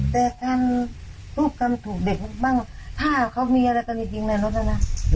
คุณคิดว่าคนเป็นเอามาพืชเอามาพาดิคุณต้องคิดถึงเรื่องบนเตียงก่อน